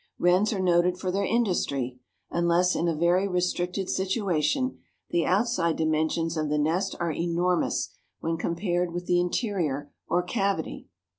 Wrens are noted for their industry; unless in a very restricted situation the outside dimensions of the nest are enormous when compared with the interior, or cavity.